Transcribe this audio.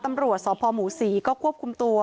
ตำรวจสพหมูศรีก็ควบคุมตัว